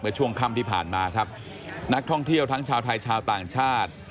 ช่วงค่ำที่ผ่านมาครับนักท่องเที่ยวทั้งชาวไทยชาวต่างชาติ